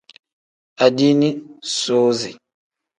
Adiini soozi.